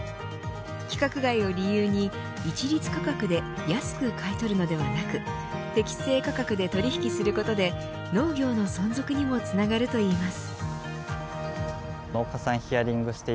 規格外を理由に一律価格で安く買い取るのではなく適正価格で取り引きすることで農業の存続にもつながるといいます。